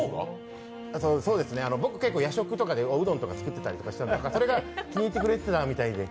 僕、結構、夜食とかでおうどんとかを作っていたんですけど、それが気に入ってくれてたみたいで。